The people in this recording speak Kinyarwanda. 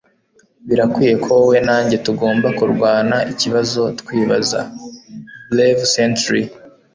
Birakwiye ko wowe na njye tugomba kurwanaikibazo twibaza (BraveSentry)